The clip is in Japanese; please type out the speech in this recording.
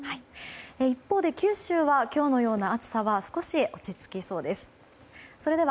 一方、九州は今日のような暑さは少し落ち着きそうです。